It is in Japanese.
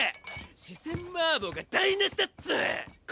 四川麻婆が台無しだっつの！